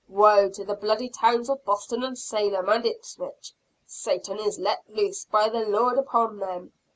Woe to the bloody towns of Boston and Salem and Ipswich! Satan is let loose by the Lord upon them!